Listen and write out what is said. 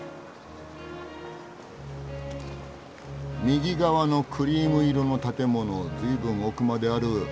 右側のクリーム色の建物ずいぶん奥まである。